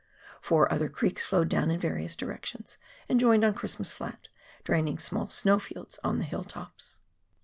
Four other creeks flowed down in various directions and joined on Christmas Flat, draining small snow fields on the hill tops.